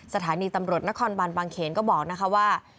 สถานีตำรวจหน้าคอร์นบันบางเขนก็บอกว่า